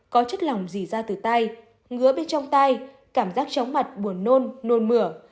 có chất lòng dì ra từ tai ngứa bên trong tai cảm giác chóng mặt buồn nôn nôn mửa